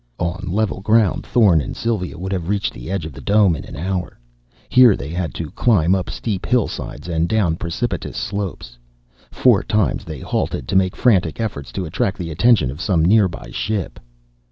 On level ground, Thorn and Sylva would have reached the edge of the dome in an hour. Here they had to climb up steep hillsides and down precipitous slopes. Four times they halted to make frantic efforts to attract the attention of some nearby ship.